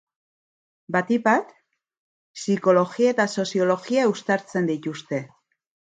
Batik bat, psikologia eta soziologia uztartzen dituzte.